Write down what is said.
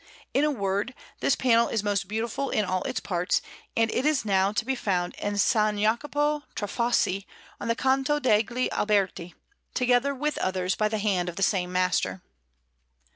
In a word, this panel is most beautiful in all its parts; and it is now to be found in S. Jacopo tra Fossi on the Canto degli Alberti, together with others by the hand of the same master.